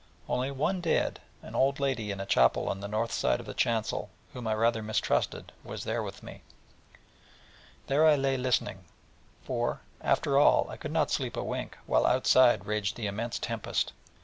Only one dead, an old lady in a chapel on the north side of the chancel, whom I rather mistrusted, was there with me: and there I lay listening: for, after all, I could not sleep a wink, while outside vogued the immense tempest.